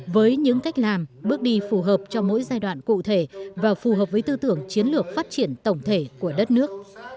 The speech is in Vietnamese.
với những cách làm bước đi phù hợp cho mỗi giai đoạn cụ thể và phù hợp với tư tưởng chiến lược phát triển tổng thể của đất nước